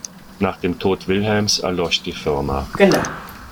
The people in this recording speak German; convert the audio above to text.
Nach dem Tod Wilhelms erlosch die Firma.